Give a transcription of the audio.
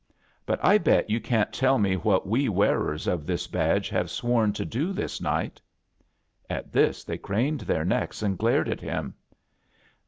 But I bet you can't tell me what we wearers of this badge have sworn to do this night." At this they craned their necks and glared at him.